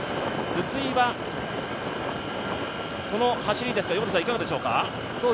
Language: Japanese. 筒井はこの走りですが、いかがでしょうか？